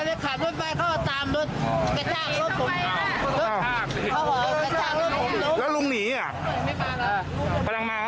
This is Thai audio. แล้วลุงหนีอ่ะ